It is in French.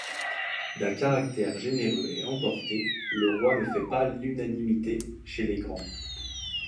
D'un caractère généreux et emporté, le roi ne fait pas l'unanimité chez les grands.